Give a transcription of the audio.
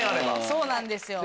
そうなんですよ。